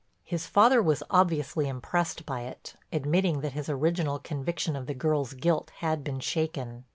His father was obviously impressed by it, admitting that his original conviction of the girl's guilt had been shaken.